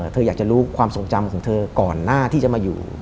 เธออยากจะรู้ความทรงจำของเธอก่อนหน้าที่จะมาอยู่